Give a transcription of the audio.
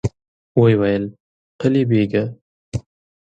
ويې ويل: قلي بېګه!